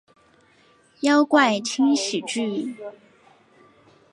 妖怪轻喜剧！